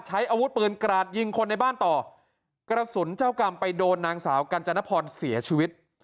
ใช้อาวุธปืนกราดยิงคนในบ้านต่อกระสุนเจ้ากรรมไปโดนนางสาวกัญจนพรเสียชีวิต